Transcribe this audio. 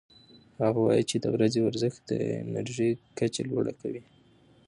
هغه وايي چې د ورځې ورزش د انرژۍ کچه لوړه کوي.